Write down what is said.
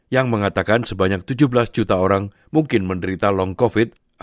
yang mengatakan sebanyak tujuh belas juta orang yang berada di dalam kesehatan dunia